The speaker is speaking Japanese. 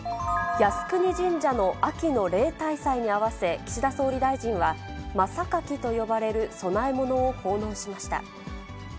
靖国神社の秋の例大祭に合わせ、岸田総理大臣は、真榊と呼ばれる供え物を奉納しました。